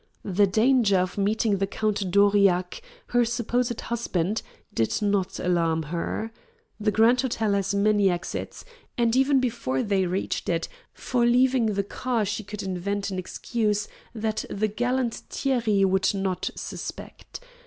The danger of meeting the Count d'Aurillac, her supposed husband, did not alarm her. The Grand Hôtel has many exits, and, even before they reached it, for leaving the car she could invent an excuse that the gallant Thierry would not suspect.